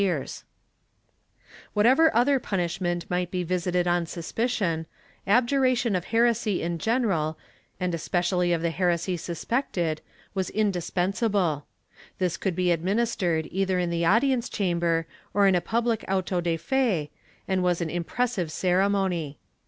124 MINOR PENALTIES [Book V1< Whatever other punishment might be visited on suspicion, abjuration of heresy in general, and especially of the heresy sus pected, was indispensable. This could be administered either in the audience chamber, or in a public auto de fe, and was an impressive ceremony.